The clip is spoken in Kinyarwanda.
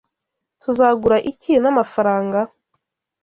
Tuzagura iki n'amafaranga?